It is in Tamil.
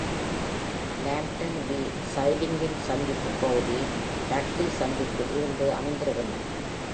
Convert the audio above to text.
லாம்ப்டன் பி சைடிங்கின் சந்திப்பு பகுதிகள் டட்லி சந்திப்பில் இருந்து அமைந்திருந்தன.